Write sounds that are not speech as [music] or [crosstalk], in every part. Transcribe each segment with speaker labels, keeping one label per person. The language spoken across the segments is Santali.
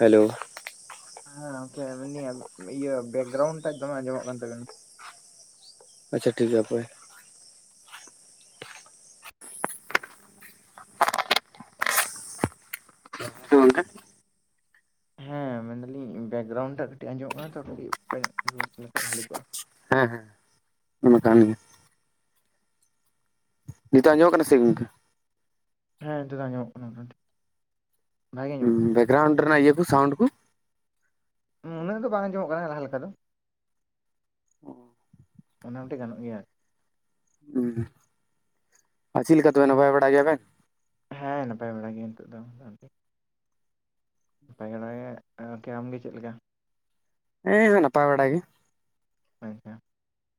Speaker 1: ᱦᱮᱞᱳ
Speaker 2: ᱦᱮᱸ ᱳᱠᱮ ᱮᱢᱱᱤ ᱤᱭᱟᱹ ᱵᱮᱠᱜᱨᱟᱣᱩᱱᱰ ᱴᱟᱜ ᱫᱚᱢᱮ ᱟᱸᱡᱚᱢᱚᱜ ᱠᱟᱱ ᱛᱟᱹᱵᱤᱱᱟ᱾
Speaker 1: ᱟᱪᱪᱷᱟ ᱴᱷᱤᱠ ᱜᱮᱭᱟ ᱦᱟᱯᱳᱭ, ᱜᱚᱝᱠᱮ
Speaker 2: ᱦᱮᱸ ᱢᱮᱱᱫᱟᱹᱞᱤᱧ ᱵᱮᱠᱜᱨᱟᱣᱩᱱᱰ ᱴᱟᱜ ᱠᱟᱹᱴᱤᱡ ᱟᱸᱡᱚᱜ ᱠᱟᱱᱟ ᱛᱚ ᱠᱟᱹᱴᱤᱡ ᱵᱷᱟᱹᱞᱤ ᱠᱚᱜᱼᱟ᱾ [inaudible]
Speaker 1: ᱦᱮᱸ ᱦᱮᱸ ᱚᱱᱠᱟᱱ ᱜᱮ ᱱᱤᱛᱚᱜ ᱟᱸᱡᱚᱢᱚᱜ ᱠᱟᱱᱟ ᱥᱮ ᱜᱚᱝᱠᱮ?
Speaker 2: ᱦᱮᱸ ᱱᱤᱛᱚᱜ ᱫᱚ ᱧᱟᱢᱚᱜ ᱠᱟᱱᱟ ᱢᱚᱴᱟᱢᱚᱴᱤ ᱵᱷᱟᱜᱮ ᱧᱚᱜ
Speaker 1: ᱵᱮᱠᱜᱨᱟᱣᱩᱱᱰ ᱨᱮᱱᱟᱜ ᱤᱭᱟᱹ ᱠᱩ ᱥᱟᱣᱩᱱᱰ ᱠᱩ
Speaker 2: ᱦᱩᱸ ᱩᱱᱟᱹᱜ ᱫᱚ ᱵᱟᱝ ᱟᱸᱡᱚᱢᱚᱜ ᱠᱟᱱᱟ ᱞᱟᱦᱟ ᱞᱮᱠᱟ ᱫᱚ᱾ ᱚᱱᱟ ᱢᱚᱴᱤ ᱜᱟᱱᱚᱜ ᱜᱮᱭᱟ
Speaker 1: ᱦᱩᱸ ᱟᱨ ᱪᱤᱫ ᱞᱤᱠᱟ ᱛᱚᱵᱮ ᱱᱟᱯᱟᱭ ᱵᱟᱲᱟ ᱜᱮᱭᱟ ᱵᱮᱱ?
Speaker 2: ᱦᱮᱸ ᱱᱟᱯᱟᱭ ᱵᱟᱲᱟ ᱜᱤ ᱱᱤᱛᱚᱜ ᱫᱚ᱾ ᱱᱟᱯᱟᱭ ᱵᱟᱲᱟ ᱜᱮ ᱜᱚᱝᱠᱮ, ᱟᱢᱜᱮ ᱪᱤᱫ ᱞᱮᱠᱟ?
Speaker 1: ᱦᱮᱸ ᱦᱮᱸ ᱱᱟᱯᱟᱭ ᱵᱟᱲᱟ ᱜᱮ᱾
Speaker 2: ᱟᱪᱪᱷᱟ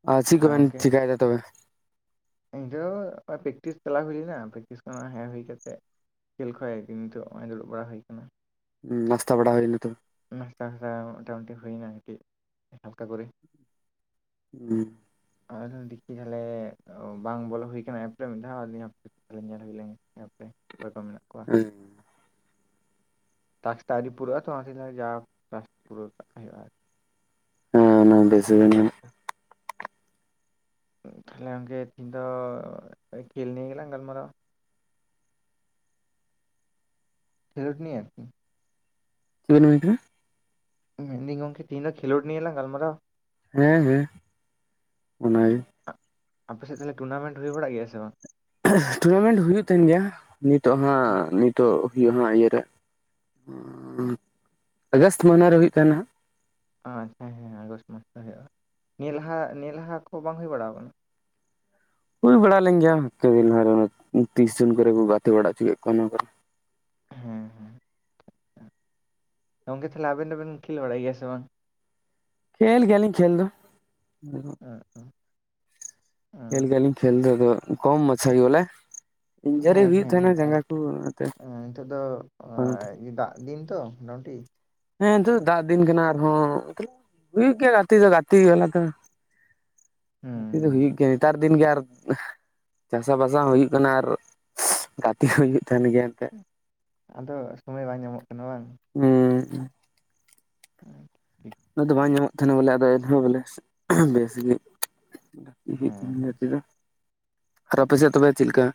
Speaker 1: ᱟ ᱪᱤᱜ
Speaker 2: ᱟᱨ
Speaker 1: ᱠᱚᱵᱮᱱ
Speaker 2: ᱜᱚᱝᱠᱮ
Speaker 1: ᱪᱤᱠᱟᱭ ᱫᱟ ᱛᱚᱵᱮ?
Speaker 2: ᱤᱧ ᱫᱚ ᱦᱚᱜᱼᱚᱭ ᱯᱮᱠᱴᱤᱥ ᱪᱟᱞᱟ ᱦᱩᱭ-ᱟ ᱯᱮᱠᱴᱤᱥ ᱠᱷᱟᱱᱟᱜ ᱦᱮᱜ ᱦᱩᱭ ᱠᱟᱛᱮᱜ ᱠᱷᱮᱞ ᱠᱷᱚᱡ ᱦᱮᱡ ᱱᱤᱛᱚᱜ ᱚᱭ ᱫᱩᱲᱩᱵ ᱵᱟᱲᱟ ᱦᱩᱭ ᱠᱟᱱᱟ᱾
Speaker 1: ᱱᱟᱥᱛᱟ ᱵᱟᱲᱟ ᱦᱩᱭᱱᱟᱛᱚ?
Speaker 2: ᱱᱟᱥᱛᱟ [unintelligible] ᱢᱳᱴᱟᱢᱩᱴᱤ ᱦᱩᱭᱱᱟ ᱟᱨᱠᱤ ᱦᱟᱞᱠᱟ ᱠᱚᱨᱮ
Speaker 1: ᱦᱩᱸ
Speaker 2: ᱟᱨᱦᱚᱸ ᱫᱤᱠᱷᱤ ᱛᱟᱦᱚᱞᱮ ᱵᱟᱝ ᱵᱚᱞᱚ ᱦᱩᱭ ᱠᱟᱱᱟ ᱮᱯ ᱨᱮ ᱢᱤᱫ ᱫᱷᱟᱣ ᱟᱞᱤᱧ ᱦᱚᱸ ᱧᱮᱞ ᱦᱩᱭ ᱞᱮᱸᱜᱮ ᱮᱯ ᱨᱮ ᱚᱠᱚᱭ ᱠᱚ ᱢᱮᱱᱟᱜ ᱠᱚᱣᱟ ᱴᱟᱥᱠ ᱴᱟᱜ ᱟᱹᱣᱨᱤ ᱯᱩᱨᱟᱹᱜ ᱟᱛᱚ ᱚᱱᱟᱛᱮᱧ ᱡᱟ ᱦᱳᱠ ᱴᱟᱥᱠ ᱛᱮᱜ ᱯᱩᱨᱟᱹᱣ ᱠᱟᱜ ᱦᱳᱭᱳᱜᱼᱟ ᱟᱨ [inaudible]
Speaker 1: ᱦᱮᱸ ᱚᱱᱟ ᱵᱮᱥᱵᱮᱱ ᱧᱟᱢᱟ [inaudible]
Speaker 2: ᱛᱷᱟᱦᱞᱮ ᱜᱚᱝᱠᱮ ᱛᱤᱦᱤᱧ ᱫᱚ ᱠᱷᱮᱞ ᱱᱤᱭᱮ ᱜᱮᱞᱟᱝ ᱜᱟᱞᱢᱟᱨᱟᱣᱟ, ᱠᱷᱮᱞᱳᱰ ᱱᱤᱭᱮ ᱟᱨᱠᱤ
Speaker 1: ᱪᱮᱜ ᱵᱮᱱ ᱢᱮᱱ ᱠᱮᱫᱟ
Speaker 2: ᱢᱮᱱᱫᱟᱹᱧ ᱜᱚᱝᱠᱮ ᱛᱤᱦᱤᱱ ᱫᱚ ᱠᱷᱮᱞᱳᱰ ᱱᱤᱭᱮ ᱞᱟᱝ ᱜᱟᱞᱢᱟᱨᱟᱣᱟ᱾
Speaker 1: ᱦᱮᱸ ᱦᱮᱸ ᱚᱱᱟᱜᱮ᱾
Speaker 2: ᱟᱯᱮ ᱥᱮᱫ ᱛᱟᱦᱚᱞᱮ ᱴᱩᱨᱱᱟᱢᱮᱱᱴ ᱦᱩᱭ ᱵᱟᱲᱟᱜ ᱜᱮᱭᱟ ᱥᱮ ᱵᱟᱝ?
Speaker 1: ᱴᱩᱨᱱᱟᱢᱮᱱᱴ ᱦᱩᱭᱩᱜ ᱛᱟᱦᱮᱱ ᱜᱮᱭᱟ ᱱᱤᱛᱚᱜ ᱦᱟᱸᱜ ᱱᱤᱛᱚᱜ ᱦᱩᱭᱩᱜ ᱦᱟᱸᱜ ᱤᱭᱟᱹ ᱨᱮ [unintelligible]
Speaker 2: ᱚ ᱟᱪᱪᱷᱟ ᱦᱮᱸ ᱦᱮᱸ ᱟᱜᱚᱥᱴ ᱢᱟᱥ ᱨᱮ ᱦᱩᱭᱩᱜᱼᱟ ᱱᱤᱭᱟᱹ ᱞᱟᱦᱟ ᱱᱤᱭᱟᱹ ᱞᱟᱦᱟ ᱠᱚ ᱵᱟᱝ ᱦᱩᱭ ᱵᱟᱲᱟᱣ ᱠᱟᱱᱟ?
Speaker 1: ᱦᱩᱭ ᱵᱟᱲᱟ ᱞᱮᱝ ᱜᱮᱭᱟ ᱛᱤᱱ ᱫᱤᱱ ᱞᱟᱦᱟᱨᱮ ᱚᱱᱟ ᱫᱚ ᱛᱤᱥ ᱫᱤᱱ ᱠᱚᱨᱮ ᱠᱩ ᱜᱟᱛᱮ ᱵᱟᱲᱟᱜ ᱪᱩ ᱠᱮᱜ ᱠᱚᱣᱟ ᱱᱚᱣᱟ ᱠᱚᱨᱮ
Speaker 2: ᱦᱮᱸ ᱦᱮᱸ ᱜᱚᱝᱠᱮ ᱛᱟᱦᱚᱞᱮ ᱟᱵᱮᱱ ᱫᱚᱵᱮᱱ ᱠᱷᱮᱞ ᱵᱟᱲᱟᱭ ᱜᱮᱭᱟ ᱥᱮ ᱵᱟᱝ?
Speaker 1: ᱠᱷᱹᱮᱞ ᱜᱤᱭᱟᱞᱤᱧ ᱠᱷᱮᱞ ᱫᱚ᱾
Speaker 2: ᱦᱮᱸ ᱛᱚ [unintelligible]
Speaker 1: ᱠᱷᱮᱞ ᱜᱤᱭᱟᱞᱤᱧ ᱠᱷᱮᱞ ᱫᱚ ᱟᱫᱚ ᱠᱚᱢ ᱢᱟᱪᱷᱟ ᱜᱮ ᱵᱚᱞᱮ᱾ ᱤᱱᱡᱟᱹᱨᱤ
Speaker 2: ᱦᱮᱸ
Speaker 1: ᱦᱩᱭᱩᱜ
Speaker 2: ᱦᱮᱸ
Speaker 1: ᱛᱟᱦᱮᱱᱟ
Speaker 2: ᱟᱨ
Speaker 1: ᱡᱟᱸᱜᱟ ᱠᱚ ᱚᱱᱟᱛᱮ
Speaker 2: ᱱᱤᱛᱚᱜ ᱫᱚ
Speaker 1: ᱵᱟᱝ
Speaker 2: ᱫᱟᱜ ᱫᱤᱱ ᱛᱚ ᱢᱚᱴᱟᱢᱩᱴᱤ,
Speaker 1: ᱦᱮᱸ ᱱᱤᱛᱚᱜ ᱫᱚ ᱫᱟᱜ ᱫᱤᱱ ᱠᱟᱱᱟ ᱟᱨᱦᱚᱸ ᱢᱟᱛᱞᱚᱵ ᱦᱩᱭᱩᱜ ᱜᱮᱭᱟ ᱜᱟᱛᱮ ᱫᱚ ᱜᱟᱛᱮ ᱵᱟᱞᱟ ᱫᱚ᱾ ᱜᱟᱛᱤ ᱫᱚ ᱦᱩᱭᱩᱜ
Speaker 2: ᱦᱩᱸ
Speaker 1: ᱜᱮᱭᱟ ᱱᱤᱛᱟᱨ ᱫᱤᱱ ᱜᱮ ᱟᱨ ᱪᱟᱥᱟᱵᱟᱥᱟ ᱦᱚᱸ ᱦᱩᱭᱩᱜ ᱠᱟᱱᱟ ᱟᱨ ᱜᱟᱛᱮ ᱦᱚᱸ ᱦᱩᱭᱩᱜ ᱛᱟᱦᱮᱱ ᱜᱮᱭᱟ ᱮᱱᱛᱮᱜ᱾
Speaker 2: ᱟᱫᱚ ᱥᱚᱢᱚᱭ ᱵᱟᱝ ᱧᱟᱢᱚᱜ ᱠᱟᱱᱟ ᱵᱟᱝ?
Speaker 1: [unintelligible]
Speaker 2: [unintelligible]
Speaker 1: ᱩᱱᱟᱹᱜ ᱫᱚ ᱵᱟᱝ ᱧᱟᱢᱚᱜ ᱛᱟᱦᱮᱱᱟ ᱵᱚᱞᱮ ᱟᱫᱚ ᱮᱱᱦᱚᱸ ᱵᱚᱞᱮ ᱵᱮᱥ ᱜᱮ᱾ ᱦᱩᱭᱩ ᱛᱟᱦᱮᱱ
Speaker 2: ᱦᱮᱸ
Speaker 1: ᱜᱟᱛᱮ ᱫᱚ, ᱟᱫᱚ ᱟᱯᱮ ᱥᱮᱫ ᱛᱚᱵᱮ ᱪᱮᱜ ᱞᱮᱠᱟ?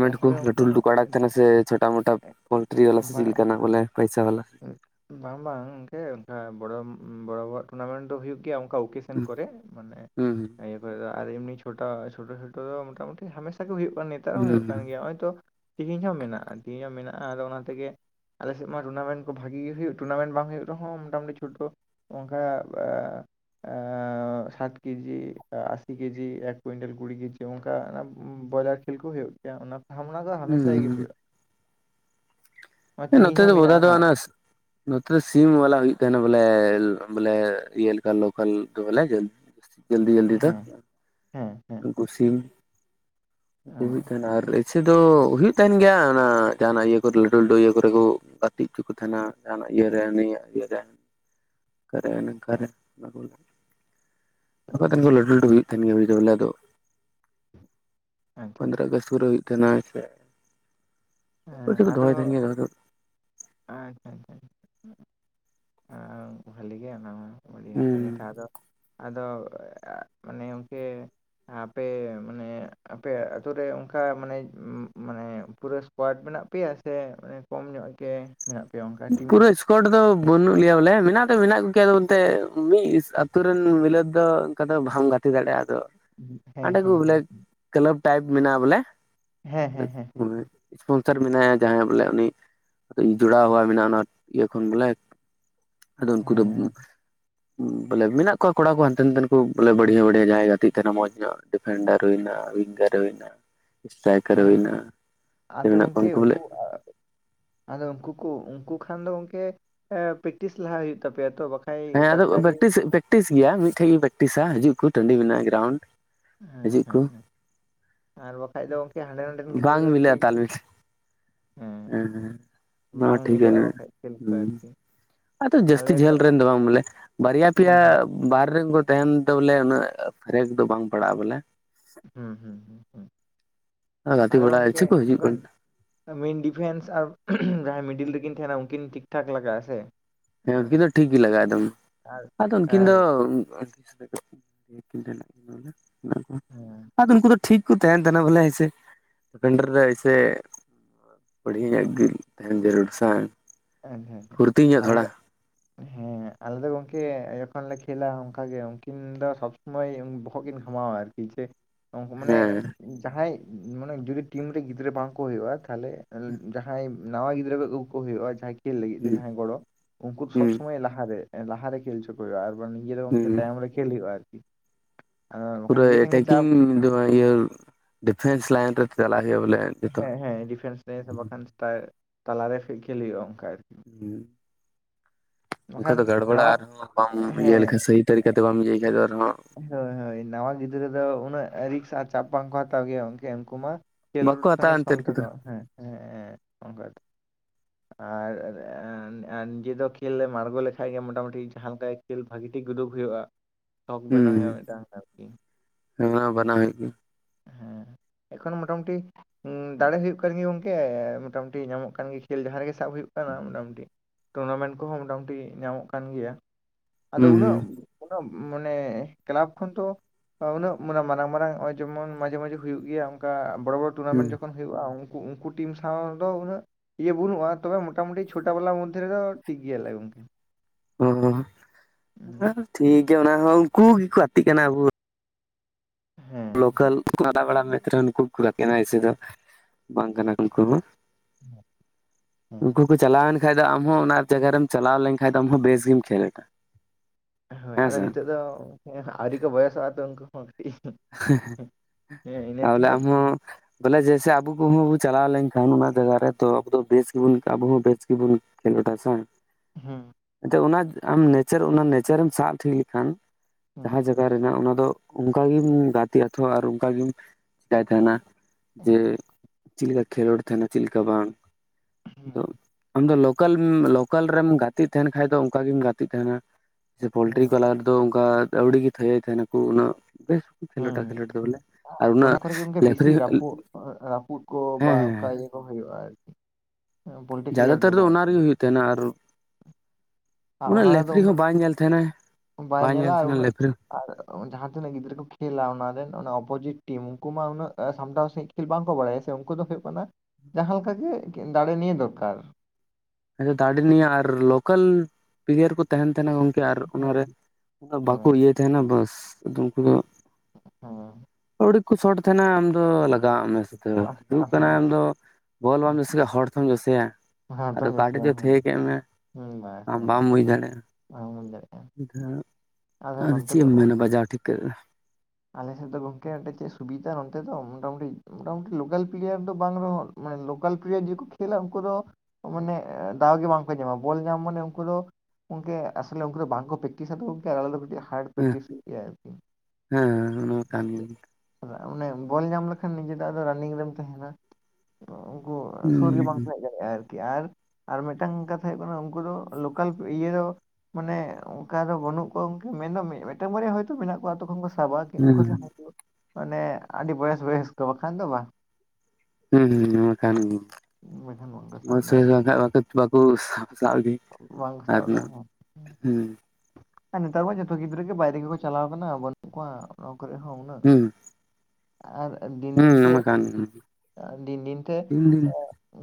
Speaker 2: ᱟᱞᱮ
Speaker 1: ᱠᱚ
Speaker 2: ᱥᱮᱫ ᱫᱚ
Speaker 1: ᱞᱟᱹᱴᱩ
Speaker 2: ᱜᱚᱝᱠᱮ
Speaker 1: ᱞᱟᱹᱴᱩ ᱟᱲᱟᱜ ᱛᱟᱦᱮᱱᱟ ᱥᱮ ᱪᱷᱚᱴᱟ ᱢᱚᱴᱟ ᱯᱳᱞᱴᱨᱤ ᱵᱟᱞᱟ ᱥᱮ ᱪᱤᱜ
Speaker 2: ᱵᱟᱝ
Speaker 1: ᱞᱮᱠᱟᱱᱟᱜ ᱵᱚᱞᱮ ᱯᱚᱭᱥᱟ ᱵᱟᱞᱟ?
Speaker 2: ᱵᱟᱝ ᱵᱟᱝ ᱜᱚᱝᱠᱮ ᱚᱱᱠᱟ ᱵᱚᱲᱚᱢ ᱵᱚᱲᱚ ᱵᱚᱲᱚᱣᱟᱜ ᱴᱩᱨᱱᱟᱢᱮᱱᱴ ᱫᱚ ᱦᱩᱭᱩᱜ ᱜᱮᱭᱟ᱾ ᱚᱠᱟ ᱚᱠᱮᱥᱮᱱ
Speaker 1: ᱦᱩᱸ
Speaker 2: ᱠᱚᱨᱮᱜ ᱢᱟᱱᱮ
Speaker 1: ᱦᱩᱸ
Speaker 2: ᱟᱨ ᱮᱢᱱᱤ ᱪᱷᱳᱴᱟ ᱪᱷᱳᱴᱳ ᱪᱷᱳᱴᱳ ᱫᱚ ᱢᱳᱴᱟᱢᱩᱴᱤ ᱦᱟᱢᱮᱥᱟ ᱜᱮ ᱦᱩᱭᱩᱜ ᱠᱟᱱ ᱱᱮᱛᱟᱨ ᱦᱚᱸ ᱦᱳᱭᱳᱜ
Speaker 1: ᱦᱩᱸ
Speaker 2: ᱠᱟᱱ ᱜᱮᱭᱟ᱾ ᱦᱚᱜᱼᱚᱭ ᱛᱚ ᱛᱤᱦᱤᱧ ᱦᱚᱸ ᱢᱮᱱᱟᱜᱼᱟ᱾ ᱛᱤᱦᱤᱧ ᱦᱚᱸ ᱢᱮᱱᱟᱜᱼᱟ᱾ ᱟᱫᱚ ᱚᱱᱟ ᱛᱮᱜᱮ ᱟᱞᱮᱥᱮᱜ ᱢᱟ ᱴᱩᱨᱱᱟᱢᱮᱱᱴ ᱵᱷᱟᱹᱜᱤ ᱜᱮ ᱦᱩᱭᱩᱜ ᱴᱩᱨᱱᱟᱢᱮᱱᱴ ᱵᱟᱝ ᱦᱳᱭᱳᱜ ᱨᱮᱦᱚᱸ ᱢᱳᱴᱟᱢᱩᱴᱤ ᱪᱷᱳᱴᱳ ᱚᱝᱠᱟ ᱟ ᱥᱟᱛ ᱠᱮᱡᱤ ᱟᱥᱤ ᱠᱮᱡᱤ ᱮᱠ ᱠᱩᱭᱤᱱᱴᱟᱞ ᱠᱩᱲᱤ ᱠᱮᱡᱤ ᱚᱝᱠᱟ ᱱᱟ ᱵᱚᱭᱞᱟᱨ ᱠᱷᱮᱞ ᱠᱚ ᱦᱩᱭᱩᱜ ᱜᱮᱭᱟ ᱚᱱᱟ ᱠᱚ [unintelligible] ᱫᱚ ᱦᱟᱢᱮᱥᱟᱭ ᱜᱮ
Speaker 1: ᱦᱩᱸ
Speaker 2: ᱦᱩᱭᱩᱜᱼᱟ᱾ ᱱᱚᱣᱟ ᱛᱤᱦᱤᱧ
Speaker 1: ᱱᱚᱛᱮ
Speaker 2: ᱦᱚᱸ
Speaker 1: ᱛᱚ ᱵᱚᱫᱷᱟ
Speaker 2: ᱢᱮᱱᱟᱜᱼᱟ
Speaker 1: ᱫᱚ ᱟᱱᱟᱥ ᱱᱚᱛᱮ ᱫᱚ ᱥᱤᱢ ᱵᱟᱞᱟ ᱦᱩᱭᱩᱜ ᱛᱟᱦᱮᱱᱟ᱾ ᱵᱚᱞᱮ ᱵᱚᱞᱮ ᱤᱭᱟᱹ ᱞᱮᱠᱟ ᱞᱳᱠᱟᱞ ᱫᱚ ᱵᱚᱞᱮ
Speaker 2: [inaudible]
Speaker 1: ᱡᱚᱞᱫᱤ ᱡᱚᱞᱫᱤ ᱫᱚ
Speaker 2: ᱦᱮᱸ ᱦᱮᱸ
Speaker 1: ᱩᱝᱠᱩ ᱥᱤᱢ
Speaker 2: ᱦᱮᱸ [unintelligible]
Speaker 1: ᱦᱩᱭᱩᱜ ᱛᱟᱦᱮᱱᱟ ᱟᱨ ᱮᱪᱷᱮ ᱫᱚ ᱦᱩᱭᱩᱜ ᱛᱟᱦᱮᱱ ᱜᱮᱭᱟ᱾ ᱚᱱᱟ ᱡᱟᱦᱟᱸᱱᱟᱜ ᱤᱭᱟᱹ ᱠᱚᱨᱮ ᱞᱟᱹᱴᱩ ᱞᱟᱹᱴᱩ ᱤᱭᱟᱹ ᱠᱚᱨᱮ ᱠᱚ ᱠᱟᱹᱴᱤᱡ ᱦᱚᱪᱚ ᱠᱚ ᱛᱟᱦᱮᱱᱟ᱾ ᱡᱟᱦᱟᱸᱱᱟᱜ ᱤᱭᱟᱹᱨᱮ ᱱᱤᱭᱟᱜ ᱤᱭᱟᱹᱨᱮ
Speaker 2: [inaudible]
Speaker 1: ᱠᱟᱨᱮᱱ ᱟᱠᱟᱨᱮ [unintelligible] [unintelligible] ᱜᱮ ᱞᱟᱹᱴᱩ ᱞᱟᱹᱴᱩ ᱦᱩᱭᱩᱜ ᱜᱮᱭᱟ ᱫᱚ ᱵᱚᱞᱮ ᱟᱫᱚ
Speaker 2: ᱟᱪᱪᱷᱟ ᱟᱪᱪᱷᱟ ᱟᱪᱪᱷᱟ ᱟᱪᱪᱷᱟ
Speaker 1: ᱯᱚᱱᱫᱽᱨᱚ
Speaker 2: ᱟᱪᱪᱷᱟ
Speaker 1: ᱟᱜᱚᱥᱴ ᱯᱩᱨᱟᱹ ᱦᱩᱭᱩᱜ ᱛᱟᱦᱮᱱᱟ᱾ [unintelligible]
Speaker 2: ᱦᱮᱸ
Speaker 1: ᱪᱚᱠᱚ
Speaker 2: ᱟᱫᱚ
Speaker 1: ᱫᱚᱦᱚᱭ ᱛᱟᱦᱮᱱ ᱜᱮᱭᱟ ᱫᱚᱦᱚ ᱫᱚ
Speaker 2: ᱟ ᱟᱪᱪᱷᱟ ᱟᱪᱪᱷᱟ ᱵᱷᱟᱹᱞᱤ ᱜᱮ ᱚᱱᱟᱢᱟ᱾ ᱟᱹᱰᱤ ᱱᱟᱯᱟᱭ
Speaker 1: ᱦᱩᱸ
Speaker 2: ᱠᱟᱛᱷᱟ ᱟᱫᱚ ᱟᱫᱚ ᱢᱟᱱᱮ ᱜᱚᱢᱠᱮ ᱟᱯᱮ ᱢᱟᱱᱮ ᱟᱯᱮ ᱟᱛᱳᱨᱮ ᱚᱱᱠᱟ ᱢᱟᱱᱮ ᱢᱟᱱᱮ ᱯᱩᱨᱟᱹ ᱠᱳᱣᱟᱴ ᱢᱮᱱᱟᱜ ᱯᱮᱭᱟ ᱥᱮ ᱢᱟᱱᱮ ᱠᱚᱢ ᱧᱚᱜ ᱜᱮ, ᱢᱮᱱᱟᱜ ᱯᱮᱭᱟ᱾ ᱚᱱᱠᱟ ᱴᱤᱢ
Speaker 1: ᱯᱩᱨᱟᱹᱥ ᱠᱚᱴ ᱫᱚ ᱵᱟᱹᱱᱩᱜ ᱞᱮᱭᱟ ᱵᱚᱞᱮ ᱢᱮᱱᱟᱜ ᱫᱚ ᱢᱮᱱᱟᱜ ᱠᱚᱜᱮᱭᱟ ᱮᱛᱮ ᱢᱤᱫ ᱟᱹᱛᱩ ᱨᱮᱱ ᱢᱤᱞᱟᱹᱛ ᱫᱚ ᱚᱱᱠᱟ ᱫᱚ ᱵᱟᱢ ᱜᱟᱛᱮ ᱫᱟᱲᱮᱭᱟᱜᱼᱟ᱾ ᱟᱫᱚ
Speaker 2: ᱦᱮᱸ
Speaker 1: ᱚᱸᱰᱮ ᱠᱚ
Speaker 2: ᱦᱮᱸ
Speaker 1: ᱵᱚᱞᱮ
Speaker 2: ᱦᱮᱸ
Speaker 1: ᱠᱮᱞᱟᱵᱽ ᱴᱟᱭᱤᱯ ᱢᱮᱱᱟᱜᱼᱟ᱾ ᱵᱚᱞᱮ
Speaker 2: ᱦᱮᱸ ᱦᱮᱸ ᱦᱮᱸ
Speaker 1: ᱚᱸᱰᱮ ᱥᱯᱚᱱᱥᱟᱨ ᱢᱮᱱᱟᱭᱟ᱾ ᱡᱟᱦᱟᱸᱭ ᱵᱚᱞᱮ ᱩᱱᱤ ᱡᱚᱲᱟᱣᱟᱭ ᱤᱭᱟᱹ ᱠᱷᱚᱱ ᱵᱚᱞᱮ ᱟᱫᱚ ᱩᱱᱠᱩ ᱫᱚ
Speaker 2: ᱦᱮᱸ ᱦᱮᱸ
Speaker 1: ᱵᱚᱞᱮ ᱢᱮᱱᱟᱜ ᱠᱚᱣᱟ ᱠᱚᱲᱟ ᱠᱚ ᱦᱟᱱᱛᱮ ᱱᱟᱛᱮ ᱠᱚ ᱵᱚᱞᱮ ᱵᱟᱹᱲᱦᱭᱟᱹ ᱵᱟᱹᱲᱦᱭᱟᱹ ᱡᱟᱦᱟᱸᱭ ᱜᱟᱛᱮ ᱛᱟᱦᱮᱱᱟ ᱢᱚᱸᱡᱽ ᱧᱚᱜ ᱰᱤᱯᱷᱮᱱᱰᱟᱨ ᱦᱩᱭᱱᱟ ᱩᱭᱤᱝᱜᱟᱨ ᱦᱩᱭᱱᱟ [unintelligible]
Speaker 2: ᱦᱮᱸ
Speaker 1: ᱥᱮ
Speaker 2: ᱟᱫᱚ
Speaker 1: ᱢᱮᱱᱟᱜ ᱠᱚᱣᱟ
Speaker 2: ᱜᱚᱢᱠᱮ
Speaker 1: ᱵᱚᱞᱮ
Speaker 2: ᱩᱱᱠᱩ ᱟᱫᱚ ᱩᱱᱠᱩ ᱠᱚ ᱩᱱᱠᱩ ᱠᱷᱟᱱ ᱫᱚ ᱜᱚᱢᱠᱮ ᱯᱮᱠᱴᱤᱥ ᱞᱟᱦᱟ ᱦᱩᱭᱩᱜ ᱛᱟᱯᱮᱭᱟ ᱛᱚ ᱵᱟᱠᱷᱟᱱ
Speaker 1: ᱦᱮᱸ ᱟᱫᱚ ᱯᱮᱠᱴᱤᱥ ᱯᱮᱠ ᱴᱤᱥ ᱜᱮᱭᱟ ᱢᱤᱫᱴᱷᱮᱱ ᱜᱮ ᱯᱮᱠᱴᱤᱥᱟ ᱦᱤᱡᱩᱜ ᱠᱚ ᱴᱟᱺᱰᱤ ᱢᱮᱱᱟᱜᱼᱟ᱾ ᱜᱨᱟᱣᱩᱱᱰ
Speaker 2: ᱦᱮᱸ
Speaker 1: ᱦᱤᱡᱩᱜ ᱠᱚ
Speaker 2: ᱦᱮᱸ ᱦᱮᱸ ᱟᱨ ᱵᱟᱝᱠᱷᱟᱡ ᱫᱚ ᱜᱚᱢᱠᱮ ᱦᱟᱸᱰᱮ ᱱᱟᱰᱮᱱ ᱜᱤᱫᱽᱨᱟᱹ
Speaker 1: ᱵᱟᱝ
Speaker 2: ᱫᱚ
Speaker 1: ᱢᱤᱞᱟᱹᱜᱼᱟ
Speaker 2: ᱠᱟᱹᱴᱤᱡ
Speaker 1: ᱛᱟᱞᱢᱤᱞ ᱦᱮᱸ ᱱᱚᱣᱟ
Speaker 2: ᱵᱟᱝ
Speaker 1: ᱴᱷᱤᱠ ᱦᱮᱸ
Speaker 2: ᱢᱤᱞᱟᱹᱜᱼᱟ ᱵᱟᱠᱷᱟᱡ ᱠᱷᱮᱞ ᱠᱚ ᱟᱨᱠᱤ
Speaker 1: ᱟᱫᱚ ᱡᱟᱹᱥᱛᱤ ᱡᱷᱟᱹᱞ ᱨᱮᱱ ᱫᱚ ᱵᱟᱝ ᱵᱚᱞᱮ ᱵᱟᱨᱭᱟ
Speaker 2: ᱦᱮᱸ
Speaker 1: ᱯᱮᱭᱟ,
Speaker 2: ᱦᱮᱸ
Speaker 1: ᱵᱟᱭᱨᱮ ᱨᱮᱱ ᱠᱚ ᱛᱟᱦᱮᱱ ᱛᱮ ᱵᱚᱞᱮ ᱩᱱᱟᱹᱜ ᱯᱷᱟᱨᱟᱠ ᱫᱚ ᱵᱟᱝ ᱯᱟᱲᱟᱜᱼᱟ ᱵᱚᱞᱮ᱾
Speaker 2: ᱦᱩᱸ ᱦᱩᱸ
Speaker 1: ᱜᱟᱛᱮ
Speaker 2: ᱟᱫᱚ
Speaker 1: ᱵᱟᱲᱟ
Speaker 2: ᱜᱚᱢᱠᱮ
Speaker 1: ᱤᱪᱪᱷᱟᱹ ᱠᱚ ᱦᱤᱡᱩᱜ
Speaker 2: ᱚᱱᱠᱟ
Speaker 1: ᱠᱟᱱᱟ
Speaker 2: ᱢᱮᱱ ᱰᱤᱯᱷᱮᱱᱥ ᱟᱨ ᱡᱟᱦᱟᱸᱭ ᱢᱤᱰᱤᱞ ᱨᱮᱠᱤᱱ ᱛᱟᱦᱮᱱᱟ᱾ ᱩᱱᱠᱤᱱ ᱴᱷᱤᱠᱴᱷᱟᱠ ᱞᱟᱜᱟᱜ-ᱟ ᱥᱮ,
Speaker 1: ᱦᱮᱸ ᱩᱱᱠᱤᱱ ᱫᱚ ᱴᱷᱤᱠ ᱜᱮ ᱞᱟᱜᱟᱜᱼᱟ᱾ ᱮᱠᱫᱚᱢ
Speaker 2: ᱟᱨ
Speaker 1: ᱟᱫᱚ ᱩᱱᱠᱤᱱ
Speaker 2: ᱟᱨ
Speaker 1: ᱫᱚ [unintelligible] ᱠᱚᱣᱟ
Speaker 2: ᱦᱮᱸ
Speaker 1: ᱟᱫᱚ ᱩᱱᱠᱩ ᱫᱚ ᱴᱷᱤᱠ ᱠᱚ ᱛᱟᱦᱮᱱ ᱛᱟᱦᱮᱸ ᱵᱚᱞᱮ ᱦᱮᱸᱥᱮ, ᱩᱭᱤᱱᱰᱟᱨ ᱦᱮᱸᱥᱮ ᱯᱟᱲᱤᱧᱟᱜ ᱜᱮ ᱛᱟᱦᱮᱱ ᱡᱟᱹᱨᱩᱲ ᱥᱮᱸ
Speaker 2: [unintelligible] ᱦᱮ‌ᱸ ᱟᱞᱮ ᱫᱚ ᱦᱮᱸ ᱟᱞᱮ ᱫᱚ ᱜᱚᱢᱠᱮ ᱡᱚᱠᱷᱚᱱ ᱞᱮ ᱠᱷᱮᱞᱟ᱾ ᱚᱱᱠᱟᱜ ᱜᱮ ᱩᱱᱠᱤᱱ ᱫᱚ ᱥᱚᱵᱽ ᱢᱚᱭ ᱵᱚᱦᱚᱜ ᱠᱤᱱ ᱜᱷᱟᱢᱟᱣᱟ ᱟᱨᱠᱤ ᱡᱮ, ᱩᱱᱠᱩ ᱢᱟᱱᱮ
Speaker 1: ᱦᱮᱸ
Speaker 2: ᱡᱟᱦᱟᱸᱭ ᱢᱟᱱᱮ ᱡᱚᱫᱤ ᱴᱤᱢ ᱨᱮ ᱜᱤᱫᱽᱨᱟᱹ ᱵᱟᱝ ᱠᱚ ᱦᱳᱭᱳᱜᱼᱟ᱾ ᱛᱟᱦᱞᱮ ᱡᱟᱦᱟᱸᱭ ᱱᱟᱣᱟ ᱜᱤᱫᱽᱨᱟᱹ ᱠᱚ ᱟᱹᱜᱩ ᱦᱩᱭᱩᱜᱼᱟ, ᱡᱟᱦᱟᱸ ᱠᱷᱮᱞ ᱞᱟᱹᱜᱤᱫ ᱛᱮ ᱡᱟᱦᱟᱸᱭ ᱜᱚᱲᱚ, ᱩᱱᱠᱩ ᱫᱚ ᱥᱚᱵᱽ
Speaker 1: ᱦᱩᱸ
Speaker 2: ᱥᱚᱢᱚᱭ ᱞᱟᱦᱟᱨᱮ ᱞᱟᱦᱟ ᱨᱮ ᱠᱷᱮᱞ ᱦᱚᱪᱚ ᱦᱳᱭ ᱟᱨᱵᱟᱨ ᱱᱤᱡᱮᱨ ᱫᱚ ᱜᱚᱝᱠᱮ
Speaker 1: ᱦᱩᱸ
Speaker 2: ᱛᱟᱭᱚᱢ ᱨᱮ ᱠᱷᱮᱞ ᱦᱩᱭᱩᱜᱼᱟ ᱟᱨᱠᱤ᱾ ᱟᱨ ᱵᱟᱠᱷᱟᱱ
Speaker 1: ᱯᱩᱨᱟᱹ
Speaker 2: ᱱᱤᱡᱮ ᱴᱷᱮᱱ ᱜᱮ
Speaker 1: ᱮᱴᱮᱠᱤᱝ
Speaker 2: ᱪᱟᱯ
Speaker 1: ᱤᱭᱟᱹ ᱰᱤᱯᱷᱮᱱᱥ ᱞᱟᱭᱤᱱ ᱨᱮ ᱪᱟᱞᱟᱜ ᱦᱩᱭᱩᱜᱼᱟ ᱵᱚᱞᱮ᱾ ᱡᱚᱛᱚ
Speaker 2: ᱦᱮᱸ ᱦᱮᱸ ᱰᱤᱯᱷᱮᱱᱥ ᱞᱟᱤᱱᱨᱮ ᱵᱟᱠᱷᱟᱱ ᱛᱟᱞᱟᱨᱮ ᱠᱷᱮᱞ ᱦᱩᱭᱩᱜᱼᱟ, ᱚᱱᱠᱟ ᱟᱨᱠᱤ᱾
Speaker 1: ᱦᱩᱸ ᱵᱟᱝᱠᱟᱱ
Speaker 2: ᱵᱟᱠᱷᱟᱱ
Speaker 1: ᱫᱚ ᱜᱟᱲᱵᱟᱲᱟ
Speaker 2: ᱱᱟᱣᱟ
Speaker 1: ᱟᱨᱦᱚᱸ ᱵᱟᱢ ᱤᱭᱟᱹ
Speaker 2: ᱦᱮᱸ
Speaker 1: ᱞᱮᱠᱷᱟᱱᱡ ᱥᱟᱹᱤ ᱛᱟᱹᱨᱤᱠᱟᱛᱮ ᱵᱟᱢ ᱤᱭᱟᱹᱭ ᱠᱷᱟᱱᱡ ᱫᱚ ᱟᱨᱦᱚᱸ,
Speaker 2: ᱦᱳᱭ ᱦᱳᱭ ᱱᱟᱣᱟ ᱜᱤᱫᱽᱨᱟᱹ ᱫᱚ ᱩᱱᱟᱹᱜ ᱨᱤᱠᱥ ᱟᱨ ᱪᱟᱯ ᱵᱟᱝᱠᱚ ᱦᱟᱛᱟᱣ ᱜᱮᱭᱟ ᱜᱚᱢᱠᱮ ᱩᱱᱠᱩ ᱢᱟ᱾ ᱠᱷᱮᱞ
Speaker 1: ᱵᱟᱠᱚ
Speaker 2: ᱨᱩᱰ
Speaker 1: ᱦᱟᱛᱟᱣᱟ
Speaker 2: ᱛᱮᱜᱮ
Speaker 1: ᱮᱱᱛᱮ ᱩᱱᱠᱩ ᱫᱚ
Speaker 2: ᱥᱚᱝᱛᱟᱠᱚ ᱦᱮᱸ ᱦᱮᱸ ᱱᱚᱝᱠᱟ ᱟᱨ ᱟᱨ ᱱᱤᱡᱮ ᱫᱚ ᱠᱷᱮᱞ ᱞᱮ ᱟᱬᱜᱚ ᱞᱮᱠᱷᱷᱟᱱ ᱜᱮ ᱢᱚᱴᱟᱢᱩᱴᱤ ᱡᱟᱦᱟᱸᱮ ᱞᱮᱠᱟ ᱠᱷᱮᱞ ᱵᱷᱟᱹᱜᱤ ᱴᱷᱤᱠ ᱩᱫᱩᱜ ᱦᱩᱭᱩᱜᱼᱟ᱾ ᱛᱷᱚᱠ ᱵᱮᱱᱟᱣ ᱦᱩᱭᱩᱜᱼᱟ, ᱢᱤᱫᱴᱟᱝ ᱟᱨᱠᱤ᱾
Speaker 1: ᱦᱮᱸ ᱵᱟᱱᱟᱣ ᱦᱩᱭᱩᱜ ᱜᱮᱭᱟ᱾
Speaker 2: ᱦᱮᱸ ᱮᱠᱷᱚᱱ ᱢᱳᱴᱟᱢᱩᱴᱤ, ᱫᱟᱲᱮ ᱦᱩᱭᱩᱜ ᱠᱟᱱ ᱜᱮᱭᱟ ᱜᱚᱢᱠᱮ, ᱢᱳᱟᱢᱩᱴᱤ ᱧᱟᱢᱚᱜ ᱠᱟᱱ ᱜᱮ ᱠᱷᱮᱞ ᱡᱟᱦᱟᱸ ᱨᱮᱜᱮ ᱥᱟᱵ ᱦᱩᱭᱩᱜ ᱠᱟᱱᱟ ᱢᱳᱴᱟᱢᱩᱴᱤ᱾ ᱴᱩᱨᱱᱟᱢᱮᱱᱴ ᱠᱚᱦᱚᱸ ᱢᱚᱴᱟᱢᱩᱴᱤ ᱧᱟᱢᱚᱜ ᱠᱟᱱ ᱜᱮᱭᱟ ᱾ ᱟᱫᱚ
Speaker 1: ᱜᱮᱭᱟ
Speaker 2: ᱩᱱᱟᱹᱜ
Speaker 1: ᱦᱩᱸ
Speaker 2: ᱩᱱᱟᱹᱜ ᱢᱟᱱᱮ ᱠᱞᱟᱵᱽ ᱠᱷᱚᱱ ᱛᱚ ᱩᱱᱟᱹᱜ ᱢᱟᱨᱟᱝ ᱢᱟᱨᱟᱝ ᱱᱚᱜ ᱡᱮᱢᱚᱱ ᱢᱟᱡᱷᱮ ᱢᱟᱡᱷᱮ ᱦᱩᱭᱩᱜ ᱜᱮᱭᱟ, ᱚᱱᱠᱟ ᱵᱚᱲᱚ ᱵᱚᱲᱚ ᱴᱩᱨᱱᱟᱢᱮᱱᱴ ᱡᱚᱠᱷᱚᱱ ᱦᱩᱭᱩᱜᱼᱟ ᱩᱱᱠᱩ ᱩᱱᱠᱩ ᱴᱤᱢ ᱥᱟᱶ ᱫᱚ ᱩᱱᱟᱹᱜ᱾ ᱤᱭᱟᱹ ᱵᱟᱹᱱᱩᱜᱼᱟ ᱛᱚᱵᱮ ᱢᱚᱴᱟᱢᱩᱴᱤ ᱪᱷᱳᱚᱴᱟ ᱵᱮᱞᱟ ᱢᱚᱫᱽᱫᱷᱮ ᱨᱮᱫᱚ, ᱴᱷᱤᱠ ᱜᱮᱭᱟᱞᱮ ᱜᱚᱝᱠᱮ ᱾
Speaker 1: ᱚ ᱴᱷᱤᱠ ᱜᱮᱭᱟ ᱚᱱᱟ ᱦᱚᱸ ᱩᱱᱠᱩ ᱜᱮᱠᱚ ᱜᱟᱛᱮᱜ ᱠᱟᱱᱟ ᱟᱵᱚ
Speaker 2: ᱦᱮᱸ ᱾
Speaker 1: ᱞᱳᱠᱟᱞ ᱜᱟ ᱵᱮᱲᱟ [unintelligible] ᱵᱟᱝ ᱠᱟᱱᱟ ᱩᱱᱠᱩ ᱫᱚ ᱾
Speaker 2: ᱦᱮᱸ
Speaker 1: ᱩᱱᱠᱩ ᱠᱚ ᱪᱟᱞᱟᱣᱮᱱ ᱠᱷᱟᱱᱡ ᱫᱚ ᱟᱢ ᱦᱚᱸ ᱚᱱᱟ ᱡᱟᱭᱜᱟᱮᱢ ᱪᱟᱞᱟᱣ ᱞᱮᱱᱠᱷᱟᱱ ᱫᱚ ᱟᱢᱦᱚᱸ ᱵᱮᱥ ᱜᱮᱢ ᱠᱷᱮᱞᱟ ᱾
Speaker 2: ᱦᱳᱭ ᱟᱫᱚ ᱱᱤᱛᱚᱜ ᱫᱚ ᱟᱹᱣᱨᱤ ᱠᱚ ᱵᱚᱭᱚᱥᱼᱟᱛ ᱩᱱᱠᱩ ᱦᱚ ᱠᱟᱹᱴᱤᱡ ᱾
Speaker 1: ᱛᱟᱦᱚᱞᱮ
Speaker 2: ᱟᱨᱠᱤ
Speaker 1: ᱟᱢᱦᱚ ᱵᱚᱞᱮ ᱡᱮᱭᱥᱮ ᱟᱵᱚ ᱠᱚᱦᱚᱸ ᱵᱚᱱ ᱪᱟᱞᱟᱣ ᱞᱮᱱᱠᱷᱟᱱ, ᱚᱱᱟ ᱡᱟᱭᱜᱟ ᱨᱮᱚ ᱟᱵ ᱫᱚ ᱵᱮᱥ ᱜᱮᱵᱚᱱ ᱟᱵᱚ ᱦᱚᱸ ᱵᱮᱥ ᱜᱮᱵᱚᱱ ᱠᱷᱮᱞᱳᱰ ᱥᱮ
Speaker 2: ᱦᱩᱸ
Speaker 1: ᱟᱱ ᱚᱱᱟ ᱟᱢ ᱱᱮᱪᱚᱨ ᱚᱱᱟ ᱱᱮᱪᱟᱨᱮᱢ ᱥᱟᱵ ᱴᱷᱤᱠ ᱞᱮᱠᱷᱟᱱ ᱾
Speaker 2: ᱦᱩᱸ
Speaker 1: ᱡᱟᱦᱟᱸ ᱡᱟᱭᱜᱟ ᱨᱮᱱᱟᱜ ᱚᱱᱟ ᱫᱚ ᱚᱱᱠᱟᱜᱮ, ᱜᱟᱛᱮᱜ ᱟ ᱛᱷᱚᱲᱟ ᱟᱨ ᱚᱱᱠᱟᱟᱜᱤᱢ ᱪᱠᱟᱭ ᱛᱟᱦᱮᱱᱟ ᱡᱮ ᱪᱮᱫᱠᱟ ᱠᱷᱮᱞᱳᱰ ᱛᱟᱦᱮᱱᱟ, ᱪᱮᱫ ᱞᱮᱠᱟ ᱵᱟᱝ
Speaker 2: ᱦᱩᱸ
Speaker 1: ᱟᱫᱚ ᱟᱢᱫᱚ ᱞᱳᱠᱟᱞ ᱞᱳᱠᱟᱞ ᱨᱮᱢ ᱜᱟᱛᱮᱜ ᱛᱟᱦᱮᱱ ᱠᱷᱟᱱ ᱫᱚ, ᱚᱱᱠᱟ ᱜᱮᱢ ᱜᱟᱛᱮᱜ ᱛᱟᱦᱮᱱᱟ ᱾ ᱥᱮ ᱯᱳᱚᱞᱴᱨᱤ
Speaker 2: ᱦᱩᱸ
Speaker 1: ᱠᱚᱞᱟᱨ ᱨᱮᱫᱚ ᱚᱱᱠᱟ ᱟᱹᱣᱲᱤ ᱜᱮ ᱛᱷᱟᱭᱟᱭ ᱛᱟᱦᱮᱱᱟᱠᱩ ᱚᱱᱟ ᱛᱮ
Speaker 2: ᱦᱩᱸᱼ ᱦᱩᱸ ᱚᱱᱟ ᱠᱚᱨᱮ ᱜᱮ ᱜᱚᱝᱠᱮ ᱵᱤᱥᱤ
Speaker 1: ᱞᱮᱯᱷᱨᱤ
Speaker 2: ᱨᱟᱹᱯᱩᱫ ᱨᱟᱹᱯᱩᱫ ᱠᱚ ᱵᱟ ᱚᱱᱠᱟ ᱤᱭᱟᱹ ᱦᱩᱭᱩᱜᱼᱟ ᱟᱨᱠᱤ ᱾
Speaker 1: ᱡᱟᱫᱟᱛᱚᱨ ᱫᱚ ᱚᱱᱟ ᱨᱮᱜᱮ ᱦᱩᱭᱩᱜ ᱛᱟᱦᱮᱱᱟ ᱟᱨ
Speaker 2: ᱟᱨ
Speaker 1: ᱩᱱᱟᱹᱜ
Speaker 2: ᱚᱱᱟ ᱨᱮᱫᱚ
Speaker 1: ᱞᱮᱯᱷᱨᱤ ᱦᱚᱸ ᱵᱟᱭ ᱧᱮᱞ ᱛᱟᱦᱮᱱᱟ ᱾
Speaker 2: ᱵᱟᱭ ᱧᱮᱞᱟ ᱩᱱᱟᱼᱜ ᱟᱨ ᱡᱟᱦᱟᱸ ᱛᱤᱱᱟᱹᱜ ᱜᱤᱫᱽᱨᱟᱹ ᱠᱚ ᱠᱷᱮᱞᱟ, ᱚᱱᱟ ᱨᱮᱱ ᱚᱯᱚᱡᱤᱴ ᱴᱤᱢ ᱩᱱᱠᱩ ᱢᱟ ᱩᱱᱟᱹᱜ ᱥᱟᱢᱴᱟᱣ ᱥᱟᱺᱦᱤᱡ ᱤᱞ ᱵᱟᱝᱠᱚ ᱵᱟᱲᱟᱭᱟ ᱥᱮ ᱩᱱᱠᱩ ᱫᱚ ᱦᱩᱭᱩᱜ ᱠᱟᱱᱟ ᱡᱟᱦᱟᱸ ᱞᱮᱠᱟ ᱜᱮ ᱫᱟᱲᱮ ᱱᱤᱭᱟᱹ ᱫᱚᱨᱠᱟᱨ ᱾
Speaker 1: ᱟᱪᱪᱷᱟ ᱫᱟᱲᱮ ᱱᱤᱭᱟᱹ ᱟᱨ ᱞᱳᱠᱟᱞ, ᱯᱞᱮᱭᱟᱨ ᱠᱚ ᱛᱟᱦᱮᱱ ᱛᱟᱦᱮᱱᱟ ᱜᱚᱝᱠᱮ, ᱟᱨ ᱚᱱᱟᱨᱮ
Speaker 2: ᱦᱮᱸ
Speaker 1: ᱵᱟᱠᱚ
Speaker 2: ᱦᱮᱸ
Speaker 1: ᱤᱭᱟᱹᱭ ᱛᱟᱦᱮᱱᱟ ᱵᱟᱥ ᱟ ᱩᱱᱠᱩ ᱫᱚ ᱾
Speaker 2: ᱦᱸ [inaudible]
Speaker 1: [unintelligible] ᱥᱚᱴ ᱛᱟᱦᱮᱱᱟ ᱟᱢ ᱫᱚ ᱞᱟᱜᱟᱣᱟᱜ ᱢᱮᱥᱛᱮ
Speaker 2: ᱦᱮᱸ
Speaker 1: ᱦᱤᱡᱩᱜ
Speaker 2: ᱦᱮᱸ
Speaker 1: ᱠᱟᱱᱟ ᱟᱢ
Speaker 2: ᱦᱮᱸ
Speaker 1: ᱫᱚ ᱵᱚᱞ ᱵᱟᱢ
Speaker 2: ᱦᱮᱸ
Speaker 1: ᱡᱮᱥᱠᱟ ᱦᱚᱲ, [unintelligible] ᱟᱫᱚ ᱚᱠᱟ ᱴᱷᱮᱡ ᱡᱮ ᱛᱷᱤᱭᱟ ᱠᱮᱫ ᱢᱮ,
Speaker 2: ᱦᱮᱸ ᱵᱟᱥ
Speaker 1: ᱟᱢ
Speaker 2: ᱦᱮᱸ
Speaker 1: ᱵᱟᱢ ᱵᱩᱡᱽ ᱫᱟᱲᱮᱭᱟᱜᱼᱟ ᱾ ᱟ ᱟᱫᱚ ᱪᱮᱫ ᱮᱢ ᱢᱮᱱᱟ ᱵᱟᱡᱟᱨ ᱴᱷᱤᱠ ᱠᱟ ᱫᱚ᱾
Speaker 2: ᱟᱞᱮᱥᱮᱫ ᱫᱚ ᱜᱚᱝᱠᱮ ᱪᱮᱫ ᱥᱩᱵᱤᱫᱷᱟ ᱱᱚᱛᱮ ᱫᱚ, ᱢᱚᱴᱟᱢᱩᱴᱤ - ᱢᱚᱴᱟᱢᱩᱴᱤ ᱞᱳᱠᱟᱞ ᱯᱞᱮᱭᱟᱨ ᱫᱚ ᱵᱟᱝ ᱨᱮᱦᱚᱸ᱾ ᱢᱟᱱᱮ ᱞᱳᱠᱟᱞ ᱯᱨᱤᱭᱤᱭᱟ ᱡᱮ ᱠᱚ ᱠᱷᱮᱞᱟ ᱩᱱᱠᱩ ᱫᱚ ᱾ ᱢᱟᱱᱮ ᱫᱟᱣᱜ ᱜᱮ ᱵᱟᱝᱠᱚ ᱧᱟᱢᱟ ᱵᱚᱞ ᱧᱟᱢ ᱢᱟᱱᱮ ᱩᱱᱠᱩ ᱫᱚ, ᱜᱚᱝᱠᱮ ᱟᱥᱚᱞᱮ ᱩᱱᱠᱩ ᱫᱚ ᱵᱟᱝᱠᱚ ᱯᱮᱠ [unintelligible] ᱦᱟᱰ
Speaker 1: ᱦᱮᱸ
Speaker 2: ᱯᱨᱮᱠᱴᱤᱥ ᱜᱮᱭᱟ ᱟᱨᱠᱤ ᱾
Speaker 1: ᱦᱮᱸ ᱚᱱᱟ ᱠᱟᱱ ᱜᱮ ᱾
Speaker 2: ᱚᱱᱮ ᱵᱚᱞ ᱧᱟᱢ ᱞᱮᱠᱷᱟᱱ ᱱᱤᱡᱮ ᱫᱚ ᱟᱫᱚ ᱨᱟᱱᱤᱝ ᱨᱮᱢ ᱛᱟᱦᱮᱱᱟ ᱾ ᱩᱱᱠᱩ
Speaker 1: ᱦᱩᱸ
Speaker 2: ᱥᱩᱨ ᱜᱮ ᱵᱟᱝ ᱠᱚ
Speaker 1: ᱦᱩᱸ
Speaker 2: ᱦᱮᱡ ᱟᱠᱟᱱᱟ ᱾ ᱟᱨᱠᱤ ᱟᱨ ᱟᱨ ᱢᱤᱫᱴᱟᱝ ᱠᱟᱛᱷᱟ ᱦᱩᱭᱩᱜ ᱠᱟᱱᱟ, ᱩᱱᱠᱩ ᱫᱚ ᱞᱳᱠᱟᱞ ᱤᱭᱟᱹ ᱢᱟᱱᱮ ᱚᱱᱠᱟ ᱫᱚ ᱵᱟᱹᱱᱩᱜ ᱠᱚᱣᱟ ᱢᱮᱱᱫᱚ ᱢᱤᱫᱴᱟᱝ ᱵᱟᱨᱭᱟ ᱦᱚᱭᱛᱚ ᱢᱮᱱᱟᱜ ᱠᱚᱣᱟ ᱟᱹᱛᱩ ᱠᱷᱚᱱ ᱠᱚ ᱥᱟᱵᱟ᱾
Speaker 1: ᱦᱩᱸ
Speaker 2: ᱩᱱᱠᱩᱸ ᱢᱟᱱᱮ ᱟᱹᱰᱤ ᱵᱚᱭᱮᱥ ᱵᱚᱭᱟᱹᱥ ᱠᱚ ᱵᱟᱠᱷᱟᱱ ᱫᱚ ᱵᱟᱝ ᱾
Speaker 1: ᱦᱩᱸ ᱢᱟᱠᱷᱟᱱ
Speaker 2: ᱵᱟᱠᱷᱟᱱ ᱵᱟᱝᱠᱚ
Speaker 1: ᱢᱚᱡᱽ
Speaker 2: ᱥᱟᱵᱫᱟ
Speaker 1: ᱵᱟᱝᱠᱷᱟᱱ ᱵᱟ ᱵᱟᱠᱚ ᱥᱟᱵ ᱥᱟᱵ ᱤᱫᱤ,
Speaker 2: ᱵᱟᱝ ᱥᱟᱣᱞᱮᱱ ᱠᱷᱟᱱ ᱟᱨ ᱱᱮᱛᱟᱨ ᱢᱟ ᱡᱚᱛᱚ ᱜᱤᱫᱽᱨᱟᱹ ᱜᱮ ᱵᱟᱭᱨᱮ ᱜᱮᱠᱚ ᱪᱟᱞᱟᱣ ᱠᱟᱱᱟ᱾ ᱵᱟᱹᱱᱩᱜ ᱠᱚᱣᱟ ᱚᱱᱟ ᱠᱚᱨᱮ ᱦᱚᱸ ᱾
Speaker 1: ᱦᱩᱸ
Speaker 2: ᱟᱨ ᱫᱤᱱ
Speaker 1: ᱦᱩᱸ
Speaker 2: ᱫᱤᱱ
Speaker 1: ᱚᱱᱟ
Speaker 2: ᱛᱮ
Speaker 1: ᱢᱟ ᱠᱟᱱ ᱜᱮ
Speaker 2: ᱫᱤᱱ ᱫᱤᱱ ᱛᱮ,
Speaker 1: ᱛᱤᱱ ᱫᱤᱱ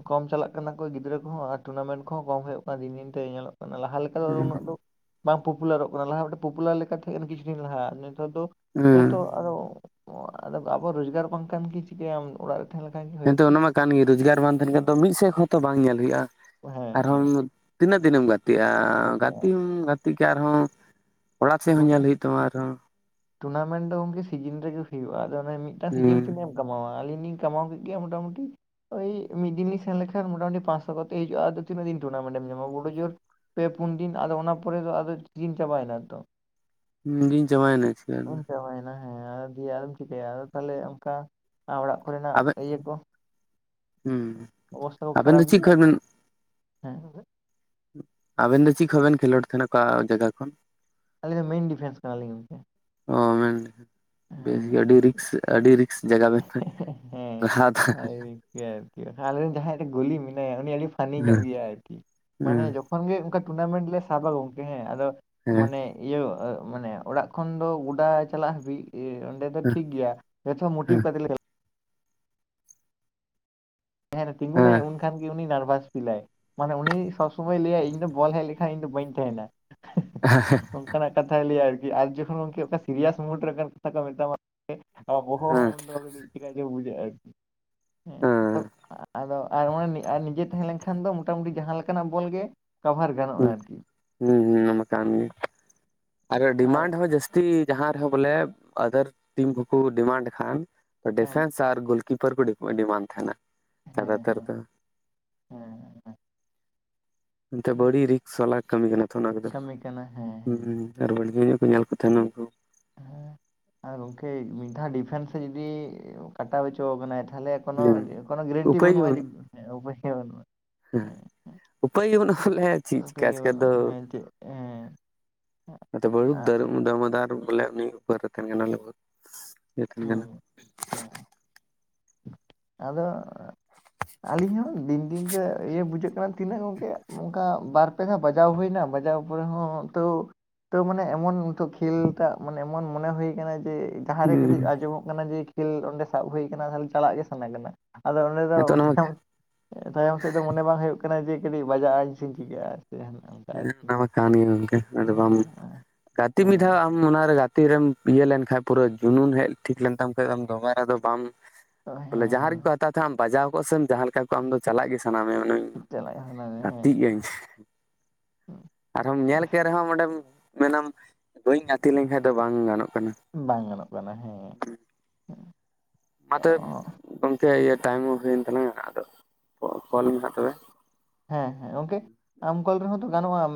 Speaker 2: ᱠᱚᱢ ᱪᱟᱞᱟᱜ ᱠᱟᱱᱟ ᱠᱚ᱾ ᱜᱤᱫᱽᱨᱟᱹ ᱠᱚᱦᱚᱸ ᱟᱨ ᱴᱩᱨᱱᱟᱢᱮᱱᱴ ᱠᱚᱦᱚᱸ ᱠᱚᱢ ᱦᱩᱭᱩᱜ ᱠᱟᱱᱟ᱾ ᱫᱤᱱ ᱫᱤᱱᱛᱮ ᱧᱮᱞᱚᱜ ᱠᱟᱱᱟ, ᱞᱟᱦᱟ ᱞᱮᱠᱟ
Speaker 1: ᱦᱩᱸ
Speaker 2: ᱩᱱᱟᱹᱜ ᱫᱚ ᱵᱟᱝ ᱯᱚᱯᱩᱞᱟᱨᱚᱜ ᱠᱟᱱᱟ᱾ ᱞᱟᱦᱟ ᱢᱮᱴᱮᱱ ᱯᱚᱯᱩᱞᱟᱨ ᱞᱮᱠᱟ ᱛᱟᱦᱮᱸ ᱠᱟᱱᱟ ᱠᱤᱪᱷᱩ ᱫᱤᱱ ᱞᱟᱦᱟ ᱟᱫᱚ
Speaker 1: ᱦᱩᱸ
Speaker 2: ᱱᱮᱛᱚᱜ ᱟᱫᱚ ᱟᱵᱚ ᱨᱳᱡᱽᱜᱟᱨ ᱵᱟᱝᱠᱷᱟᱱ ᱠᱤ ᱪᱤᱠᱟᱹᱭᱟᱢ ᱚᱲᱟᱜ ᱛᱟᱦᱮᱸ ᱞᱮᱠᱷᱟᱱ ᱜᱮ
Speaker 1: ᱦᱮᱸ
Speaker 2: ᱦᱩᱭᱩᱜ
Speaker 1: ᱛᱚ ᱚᱱᱟ ᱢᱟ ᱠᱟᱱ ᱜᱮ ᱨᱳᱡᱽᱜᱟᱨ ᱵᱟᱝ ᱛᱟᱦᱮᱱ ᱠᱷᱟᱱ ᱢᱤᱫ ᱥᱮᱫ ᱠᱷᱚᱡ ᱛᱚ ᱵᱟᱝ ᱧᱮᱞ ᱦᱩᱭᱩᱜᱼᱟ
Speaker 2: ᱦᱮᱸ
Speaker 1: ᱟᱨᱦᱚᱸ
Speaker 2: ᱦᱮᱸ
Speaker 1: ᱛᱤᱱᱟᱹᱜ ᱫᱤᱱ ᱮᱢ ᱜᱟᱛᱮᱜᱼᱟ, ᱜᱟᱛᱮᱢ ᱜᱟᱛᱮᱜ ᱠᱟᱱ ᱟᱨᱦᱚᱸ ᱚᱲᱟᱜ ᱥᱮᱫ ᱦᱚᱸ ᱧᱮᱞ ᱦᱩᱭᱩᱜ ᱛᱟᱢᱟ ᱟᱨᱦᱚᱸ
Speaker 2: ᱴᱩᱱᱟᱢᱮᱱᱴ ᱫᱚ ᱜᱚᱢᱠᱮ ᱥᱤᱡᱤᱱ ᱨᱮᱜᱮ ᱦᱩᱭᱩᱜᱼᱟ᱾ ᱟᱫᱚ ᱚᱱᱮ ᱢᱤᱫᱴᱟᱝ ᱥᱤᱡᱤᱱ ᱛᱤ
Speaker 1: ᱦᱩᱸ
Speaker 2: ᱠᱟᱢᱟᱣᱟ ᱟᱹᱞᱤᱧ ᱞᱤᱧ ᱠᱟᱢᱟᱣᱟ ᱠᱮᱫ ᱜᱮ ᱢᱚᱴᱟᱢᱩᱴᱤ ᱳᱭ ᱢᱤᱫ ᱫᱤᱱ ᱤᱧ ᱥᱮᱱ ᱞᱮᱠᱷᱟᱱ ᱢᱚᱴᱟᱢᱩᱴᱤ ᱯᱟᱸᱥᱚ ᱠᱟᱛᱮ ᱦᱤᱡᱩᱜᱼᱟ᱾ ᱟᱫᱚ ᱛᱤᱱᱟᱹᱜ ᱫᱤᱱ ᱴᱩᱨᱱᱟᱢᱮᱱᱴ ᱮᱢ ᱧᱟᱢᱟ ᱵᱳᱰᱚ ᱡᱳᱨ ᱯᱮ ᱯᱩᱱ ᱫᱤᱱ, ᱟᱫᱚ ᱚᱱᱟ ᱯᱚᱨᱮ ᱫᱚ ᱟᱫᱚ ᱥᱤᱱ ᱪᱟᱵᱟᱭ ᱱᱟᱛᱚ
Speaker 1: [inaudible] ᱡᱟᱵᱟᱭ ᱮᱱᱟ᱾
Speaker 2: ᱩᱢ ᱪᱟᱵᱟᱭ ᱮᱱᱟ ᱦᱮᱸ ᱟᱨ ᱫᱤᱭᱮ ᱟᱨ ᱮ ᱪᱤᱠᱟᱹᱭᱟ᱾ ᱟᱫᱚ ᱛᱟᱦᱚᱞᱮ ᱚᱱᱠᱟ ᱚᱲᱟᱜ ᱠᱚᱨᱮᱱᱟᱜ
Speaker 1: ᱟᱵᱮᱱ
Speaker 2: ᱤᱭᱟᱹ ᱠᱚ
Speaker 1: ᱦᱩᱸ
Speaker 2: ᱚᱵᱚᱥᱛᱟ ᱠᱚ
Speaker 1: ᱟᱵᱮᱱ
Speaker 2: ᱠᱷᱟᱨᱟᱯ
Speaker 1: ᱫᱚ ᱪᱮᱫ
Speaker 2: ᱜᱮᱭᱟ
Speaker 1: ᱠᱷᱚᱡ ᱵᱮᱱ
Speaker 2: ᱦᱮᱸ
Speaker 1: ᱟᱵᱮᱱ ᱫᱚ ᱪᱮᱫ ᱠᱷᱚᱡ ᱵᱮᱱ ᱠᱷᱮᱞᱳᱰ ᱛᱟᱦᱮᱱᱟ? ᱚᱠᱟ ᱡᱟᱭᱜᱟ ᱠᱷᱚᱱ
Speaker 2: ᱟᱹᱞᱤᱧ ᱫᱚ ᱢᱮᱱ ᱰᱤᱯᱷᱮᱱᱥ ᱠᱟᱱᱟ ᱞᱤᱧ ᱜᱚᱢᱠᱮ᱾
Speaker 1: ᱚᱻ ᱢᱮᱱ ᱵᱮᱥ ᱵᱮᱥ ᱜᱮ ᱟᱹᱰᱤ ᱨᱤᱠᱥ ᱟᱹᱰᱤ ᱨ ᱡᱟᱜᱟ ᱠᱚᱨᱟᱣᱫᱟ᱾
Speaker 2: ᱜᱮᱭᱟ ᱟᱨᱠᱤ᱾ ᱟᱞᱮᱨᱮᱱ ᱡᱟᱦᱟᱸᱭ ᱜᱩᱞᱤ ᱢᱮᱱᱟᱭᱟ ᱩᱱᱤ ᱟᱹᱰᱤ ᱯᱷᱟᱱᱤ ᱧᱚᱜ ᱜᱮᱭᱟ ᱟᱨᱠᱤ,
Speaker 1: ᱦᱮᱸ ᱦᱮᱸ
Speaker 2: ᱢᱟᱱᱮ ᱡᱚᱠ ᱦᱚᱱ ᱜᱮ ᱚᱱᱠᱟ ᱴᱩᱨᱱᱟᱢᱮᱱᱴ ᱞᱮ ᱥᱟᱵᱟ ᱜᱚᱝᱠᱮ ᱦᱮᱸ ᱟᱫᱚ
Speaker 1: ᱦᱮᱸ
Speaker 2: ᱢᱟᱱᱮ ᱤᱭᱟᱹ ᱢᱟᱱᱮ ᱚᱲᱟᱜ ᱠᱷᱚᱱ ᱫᱚ ᱜᱚᱰᱟ ᱪᱟᱞᱟᱜ ᱦᱟᱹᱵᱤᱡ ᱚᱸᱰᱮ ᱫᱚ
Speaker 1: ᱦᱮᱸ
Speaker 2: ᱴᱷᱤᱠ ᱜᱮᱭᱟ ᱡᱚᱛᱚ ᱢ
Speaker 1: ᱦᱮᱸ
Speaker 2: [unintelligible] ᱡᱟᱦᱟ ᱨᱮ ᱛᱤᱜᱩ ᱱᱟᱭ ᱩᱱ ᱠᱷᱟᱱᱜ ᱜᱮ ᱩᱱᱤ ᱱᱟᱨᱵᱷᱟᱥ ᱯᱷᱤᱞᱟᱭ ᱢᱟᱱᱮ ᱩᱱᱤ ᱥᱚᱵ ᱥᱚᱢᱚᱭ ᱞᱟᱹᱭᱟᱭ ᱤᱧ ᱫᱚ ᱵᱚᱞ ᱦᱮᱡ ᱞᱮᱠᱷᱟᱡ ᱤᱧ ᱫᱚ ᱵᱟᱹᱧ ᱛᱟᱦᱮᱱᱟ᱾
Speaker 1: ᱦᱮᱸ ᱦᱮᱸ᱾
Speaker 2: ᱚᱱᱠᱟᱱᱟᱜ ᱠᱟᱛᱷᱟ ᱞᱟᱹᱭᱟ ᱟᱨᱠᱤ ᱟᱨ ᱡᱚᱠᱷᱚᱱ ᱠᱤ ᱜᱚᱢᱠᱮ ᱢᱮᱴᱟᱝ ᱥᱤᱨᱤᱭᱟᱥ ᱢᱩᱴ ᱨᱮ ᱠᱟᱛᱷᱟ ᱠᱚ ᱢᱮᱛᱟᱢᱟ ᱟ ᱵᱚᱦ
Speaker 1: ᱦᱮᱸ
Speaker 2: ᱦᱚᱸ ᱩᱱᱫᱚ ᱠᱟᱹᱴᱤᱡ ᱪᱤᱠᱟ ᱪᱚ ᱵᱩᱡᱟᱹ ᱟᱨᱠᱤ ᱦᱮᱸ ᱟᱫᱚ [inaudible] ᱱᱤᱡᱮ ᱛᱟᱦᱮᱸ ᱞᱮᱱᱠᱷᱟᱱ ᱫᱚ ᱢᱳᱴᱟᱢᱩᱴᱤ ᱡᱟᱦᱟᱸ ᱞᱮᱠᱟᱱᱟᱜ ᱵᱚᱞ ᱜᱮ ᱠᱟᱵᱷᱟᱨ ᱜᱟᱱᱚᱜᱼᱟ, ᱟᱨᱠᱤ᱾
Speaker 1: ᱦᱩᱸ ᱦᱩᱸ ᱚᱱᱟ ᱠᱟᱱ ᱜᱮ᱾ ᱟᱨ ᱰᱤᱢᱟᱱᱰ ᱦᱚᱸ ᱡᱟᱹᱥᱛᱤ ᱡᱟᱦᱟᱸ ᱨᱮᱦᱚᱸ ᱵᱚᱞᱮ ᱟᱫᱟᱨ ᱴᱤᱢ ᱦᱚ ᱠᱚ ᱰᱤᱢᱟᱱᱰ ᱠᱷᱟᱱ
Speaker 2: ᱦᱮᱸ
Speaker 1: ᱰᱤᱯᱷᱮᱱᱥᱟᱨ ᱟᱨ ᱜᱳᱞᱠᱤᱯᱟᱨ ᱠᱚ ᱰᱤᱢᱟᱱ ᱛᱟᱦᱮᱱᱟ ᱡᱟᱫᱟ
Speaker 2: ᱦᱮᱸ
Speaker 1: ᱛᱟᱨ
Speaker 2: ᱦᱮᱸ
Speaker 1: ᱫᱚ᱾
Speaker 2: ᱦᱮᱸ
Speaker 1: ᱵᱟᱹᱲᱤ ᱨᱤᱠᱥ ᱵᱟᱞᱟ ᱠᱟᱹᱢᱤ ᱠᱟᱱᱟ ᱛᱚ, ᱚᱱᱟ ᱠᱚᱫᱚ
Speaker 2: ᱠᱟᱹᱢᱤ ᱠᱟᱱᱟ ᱦᱮᱸ ᱦᱮᱸ
Speaker 1: ᱦᱩᱸ ᱟᱨ ᱵᱷᱟᱹᱜᱤ ᱧᱚᱜ ᱠᱚ ᱧᱮᱞ ᱠᱚ ᱛᱟᱦᱮᱱᱟ ᱩᱱᱠᱩ
Speaker 2: ᱦᱮᱸ ᱟᱨ ᱜᱚᱝᱠᱮ ᱢᱤᱫ ᱫᱷᱟᱣ ᱰᱤᱯᱷᱮᱱᱥ ᱡᱩᱫᱤ ᱠᱟᱴᱟᱣ ᱦᱚᱪᱚ ᱠᱟᱱᱟᱭ ᱛᱟᱦᱞᱮ ᱠᱳᱱᱳ
Speaker 1: ᱦᱮᱸ
Speaker 2: ᱠᱚᱱᱳ ᱜᱮᱨᱮᱱᱴᱤ
Speaker 1: ᱩᱯᱟᱹᱭ ᱜᱮ
Speaker 2: ᱵᱟᱹᱱᱩᱜᱼᱟ ᱡᱮ
Speaker 1: ᱵᱟᱹᱱᱩᱜ
Speaker 2: ᱩᱯᱟᱹᱭ ᱜᱮ ᱵᱟᱹᱱᱩᱜᱼᱟ?
Speaker 1: ᱦᱮᱸ ᱩᱯᱟᱹᱭ ᱜᱮ ᱵᱟᱱᱩᱜ ᱯᱟᱞᱮ ᱪᱮᱫ
Speaker 2: ᱩᱯᱟᱹᱭ
Speaker 1: ᱪᱮᱠᱟ
Speaker 2: ᱜᱮ
Speaker 1: ᱛᱮ ᱟᱫᱚ
Speaker 2: ᱵᱟᱹᱱᱩᱜᱼᱟ ᱦᱮᱸ ᱪᱮᱫ ᱦᱮᱸ
Speaker 1: [inaudible] ᱫᱚᱢᱟᱫᱟᱨ ᱵᱚᱞᱮ ᱩᱱᱤ
Speaker 2: ᱦᱩᱸ
Speaker 1: [unintelligible]
Speaker 2: ᱦᱩᱸ ᱟᱫᱚ [unintelligible] ᱟᱹᱞᱤᱧ ᱦᱚᱸ ᱫᱤᱱ ᱫᱤᱱᱛᱮ ᱤᱭᱟᱹ ᱵᱩᱡᱷᱟᱹᱜ ᱠᱟᱱᱟ ᱛᱤᱱᱟᱹᱜ ᱜᱚᱝᱠᱮ ᱚᱱᱠᱟ ᱵᱟᱨ ᱯᱮ ᱫᱷᱟᱣ ᱵᱟᱡᱟᱣ ᱦᱩᱭ ᱱᱟ ᱵᱟᱡᱟᱣ ᱯᱚᱨᱮ ᱦᱚᱸ ᱛᱟᱹᱣ ᱛᱟᱹᱣ ᱢᱟᱱᱮ ᱮᱢᱚᱱ ᱱᱤᱛᱚᱜ ᱠᱷᱮᱞ ᱴᱟᱜ ᱢᱟᱱᱮ ᱮᱢᱚᱱ ᱢᱚᱱᱮ ᱦᱩᱭ ᱠᱟᱱᱟ ᱡᱮ ᱡᱟᱦᱟᱸ ᱨᱮ ᱠᱟᱹᱴᱤᱡ
Speaker 1: ᱦᱩᱸ
Speaker 2: ᱟᱸᱡᱚᱢᱚᱜ ᱠᱟᱱᱟ ᱡᱮ ᱠᱷᱮᱞ ᱚᱸᱰᱮ ᱥᱟᱵ ᱦᱩᱭ ᱠᱟᱱᱟ ᱛᱟᱞᱦᱮ ᱪᱟᱞᱟᱜ ᱜᱮ ᱥᱟᱱᱟ ᱠᱟᱱᱟ ᱟᱫᱚ ᱚᱸᱰᱮ ᱫᱚ
Speaker 1: ᱟᱫᱚ ᱚᱱᱟ ᱢᱟ
Speaker 2: ᱛᱟᱭᱚᱢ ᱛᱟᱭᱚᱢ ᱥᱮᱫ ᱫᱚ ᱢᱚᱱᱮ ᱵᱟᱝ ᱦᱩᱭᱩᱜ ᱠᱟᱱᱟ ᱡᱮ ᱵᱟᱡᱟᱜᱼᱟᱧ ᱪᱮ ᱪᱤᱠᱟᱜᱼᱟ ᱾ [unintelligible]
Speaker 1: ᱦᱮᱸ ᱚᱱᱟ ᱢᱟ ᱠᱟᱱ ᱜᱮ ᱜᱚᱝᱠᱮ ᱟᱫᱚ ᱵᱟᱢ ᱜᱟᱛᱮ ᱢᱤᱫ ᱫᱷᱟᱣ
Speaker 2: ᱦᱮᱸ
Speaker 1: ᱦᱩᱸ ᱚᱱᱟᱨᱮ ᱜᱟᱛᱤ ᱨᱮᱢ ᱤᱭᱟᱹ ᱞᱮᱱᱠᱷᱟᱱ ᱯᱩᱨᱟᱹ ᱡᱩᱱᱩᱱ ᱦᱮᱡ ᱴᱷᱤᱠ ᱞᱮᱱᱛᱟᱢ ᱠᱷᱟ ᱫᱚᱵᱟᱨᱟ ᱫᱚ ᱵᱟᱢ ᱵᱚᱞᱮ
Speaker 2: ᱦᱮᱸ
Speaker 1: ᱡᱟᱦᱟᱸ
Speaker 2: ᱦᱮᱸ
Speaker 1: ᱨᱮᱠᱚ ᱦᱟᱛᱟᱣ ᱛᱟᱦᱮᱸ ᱟᱢ ᱵᱟᱡᱟᱣ ᱠᱚᱜ ᱥᱮᱢ ᱡᱟᱦᱟᱸ ᱞᱮᱠᱟ ᱠᱚᱜ ᱟᱢ ᱫᱚ ᱪᱟᱞᱟᱜ ᱜᱮ ᱥᱟᱱᱟ ᱢᱮᱭᱟ ᱢᱟᱱᱮ
Speaker 2: ᱪᱟᱞᱟᱜ ᱥᱟᱱᱟ
Speaker 1: ᱜᱟᱛᱮᱜ ᱜᱤᱭᱟᱹᱧ ᱾
Speaker 2: ᱦᱩᱸ
Speaker 1: ᱟᱨ ᱦᱚᱸᱢ ᱧᱮᱞ ᱠᱮᱫ ᱨᱮᱦᱚᱸᱢ ᱚᱸᱰᱮᱢ ᱢᱮᱱᱟᱢ ᱵᱟᱹᱧ ᱜᱟᱛᱮ ᱞᱮᱱ ᱠᱷᱟᱡ ᱫᱚ ᱵᱟᱝ ᱜᱟᱱᱚᱜ ᱠᱟᱱᱟ ᱾
Speaker 2: ᱵᱟᱝ ᱜᱟᱱᱚᱜ ᱠᱟᱱᱟ ᱦᱮᱸ ᱾
Speaker 1: ᱢᱟ ᱛᱚᱵᱮ ᱜᱚᱝᱠᱮ ᱤᱭᱟᱹ ᱴᱟᱭᱤᱢ ᱦᱚᱸ ᱦᱩᱭᱮᱱ ᱛᱟᱞᱟᱝᱟ ᱟᱫᱚ ᱠᱚ ᱠᱚᱞ ᱢᱮ ᱦᱟᱸᱜ ᱛᱚᱵᱮ ᱾
Speaker 2: ᱦᱮᱸ ᱦᱮᱸ ᱜᱚᱝᱠᱮ ᱟᱢ ᱠᱚᱞ ᱨᱮ ᱦᱚᱸ ᱛᱚ ᱜᱟᱱᱚᱜᱼᱟ